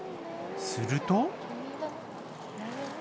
すると。